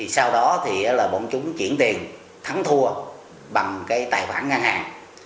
sau đó bọn chúng chuyển tiền thắng thua bằng tài khoản ngang hàng